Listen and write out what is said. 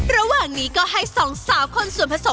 ระหว่างนี้ก็ให้สองสาวคนส่วนผสมให้เข้ากัน